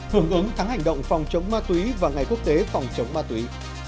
hưởng ứng tháng hành động phòng chống ma túy và ngày quốc tế phòng chống ma túy